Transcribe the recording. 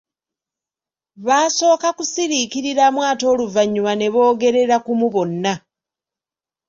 Baasooka kusiriikiriramu ate oluvanyuma ne boogerera kumu bonna.